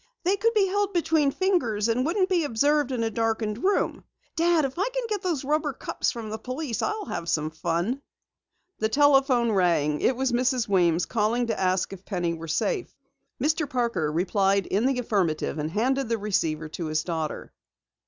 They could be held between the fingers and wouldn't be observed in a darkened room. Dad, if I can get those rubber cups from the police, I'll have some fun!" The telephone rang. It was Mrs. Weems calling to ask if Penny were safe. Mr. Parker replied in the affirmative and handed the receiver to his daughter.